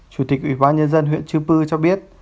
chủ tịch ủy ban nhân dân huyện chư pư cho biết